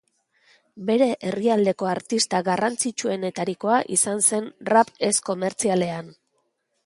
Bere herrialdeko artista garrantzitsuenetarikoa izan zen rap ez komertzialean.